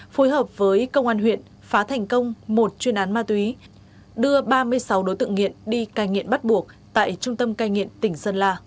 phối hợp với công an huyện phá thành công một chuyên án ma túy đưa ba mươi sáu đối tượng nghiện đi cai nghiện bắt buộc tại trung tâm cai nghiện tỉnh sơn la